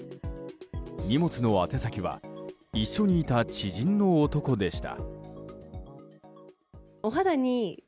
荷物の宛先は一緒にいた知人の男でした。